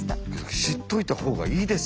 知っといたほうがいいですよね。